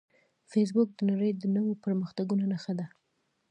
فېسبوک د نړۍ د نوو پرمختګونو نښه ده